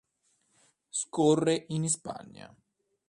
Scorre in Spagna.